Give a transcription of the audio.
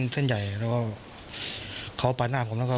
พี่เขาลงมาจากรถ